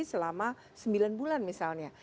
selama sembilan bulan misalnya